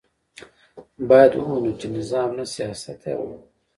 باید ومنو چې نظام نه سیاست دی او نه ګوند دی.